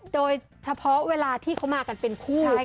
โดยเฉพาะเวลาที่เขามากันเป็นคู่